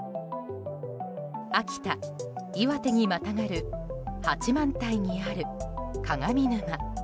秋田、岩手にまたがる八幡平にある鏡沼。